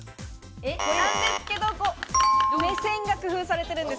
なんですけれど、目線が工夫されているんです。